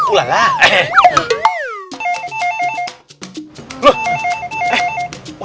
ustaz ridwan telepon tuh